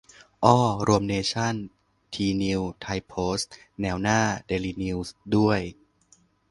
เอ้อ รวมเนชั่น ทีนิวส์ ไทยโพสต์ แนวหน้า เดลินิวส์ ด้วย